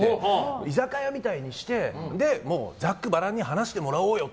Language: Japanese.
居酒屋みたいにしてざっくばらんに話してもらおうよって